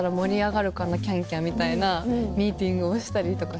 みたいなミーティングをしたりとかして。